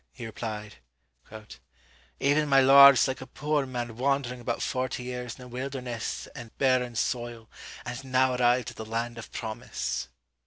he replied, "Even, my lords, like a poore man wandering about forty years in a wildernesse and barren soyle, and now arrived at the Land of Promise."